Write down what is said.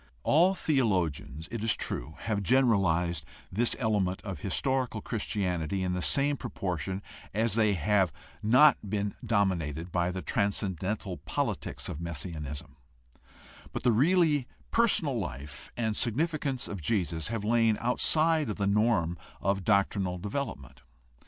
All theologians, it is 58 GUIDE TO STUDY OF CHRISTIAN RELIGION true, have generalized this element of historical Christianity in the same proportion as they have not been dominated by the transcendental politics of messianism, but the really personal life and significance of Jesus have lain outside of the norm of doctrinal development.